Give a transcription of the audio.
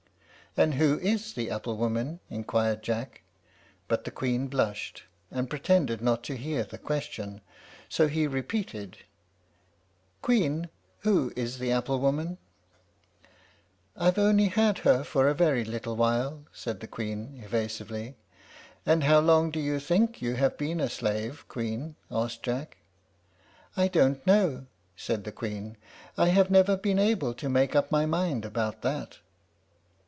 "And who is the apple woman?" inquired Jack; but the Queen blushed, and pretended not to hear the question, so he repeated, "Queen, who is the apple woman?" "I've only had her for a very little while," said the Queen, evasively. "And how long do you think you have been a slave. Queen?" asked Jack. "I don't know," said the Queen. "I have never been able to make up my mind about that."